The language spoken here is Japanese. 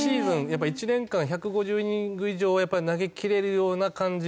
やっぱり１年間１５０イニング以上やっぱり投げきれるような感じですよね。